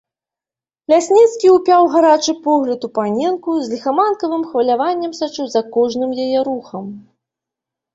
Лясніцкі ўпяў гарачы погляд у паненку, з ліхаманкавым хваляваннем сачыў за кожным яе рухам.